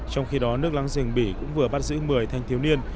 trong khi đó nước láng giềng bỉ cũng vừa bắt giữ một mươi thanh thiếu niên